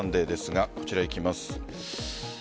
今夜のＭｒ．サンデーですがこちら、いきます。